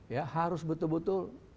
ya harus betul betul